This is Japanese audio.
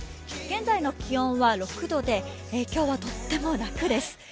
現在の気温は６度で、今日はとっても楽です。